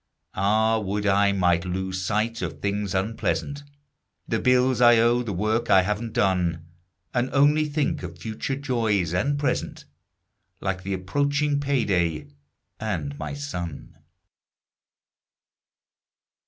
Ah, would I might lose sight of things unpleasant: The bills I owe; the work I haven't done. And only think of future joys and present, Like the approaching payday, and my son.